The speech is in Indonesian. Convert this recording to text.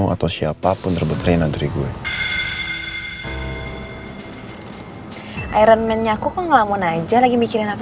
apa mungkin andien merasa kalau rena adalah nindi ya